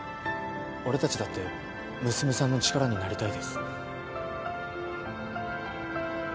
俺たちだって娘さんの力になりたいです。